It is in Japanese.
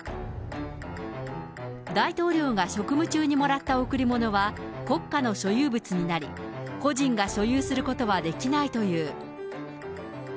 大統領が職務中にもらった贈り物は、国家の所有物になり、個人が所有することはできないという。